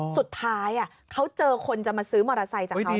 สุดท้ายเขาเจอคนจะมาซื้อมอเตอร์ไซค์จากเขา